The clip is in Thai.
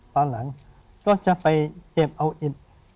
ตอนหลังก็จะไปเก็บเอาอิด